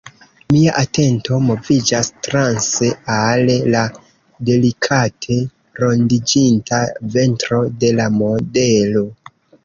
Mia atento moviĝas transe al la delikate rondiĝinta ventro de la modelo.